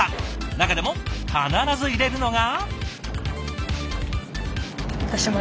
中でも必ず入れるのが。